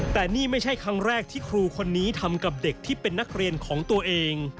แต่นี่ไม่ใช่ครั้งแรกที่ครูคนนี้ทำกับเด็กที่เป็นนักเรียนของตัวเอง